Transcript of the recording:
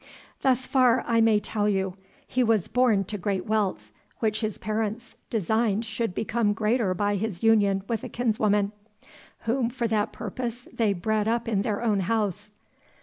Thus far I may tell you he was born to great wealth, which his parents designed should become greater by his union with a kinswoman, whom for that purpose they bred up in their own house.